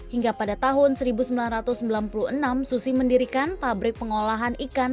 hingga pada tahun seribu sembilan ratus sembilan puluh enam susi mendirikan pabrik pengolahan ikan